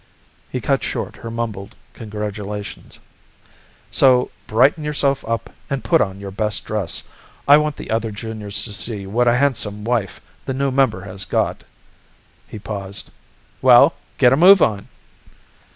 He cut short her mumbled congratulations. "So brighten yourself up and put on your best dress. I want the other Juniors to see what a handsome wife the new member has got." He paused. "Well, get a move on!"